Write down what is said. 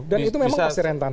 dan itu memang persirentan